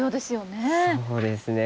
そうですね。